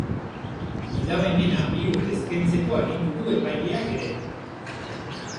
Gidabaimena bi urtez kentzeko agindu du epaileak ere.